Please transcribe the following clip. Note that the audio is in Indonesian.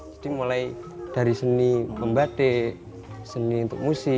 jadi mulai dari seni pembatik seni untuk musik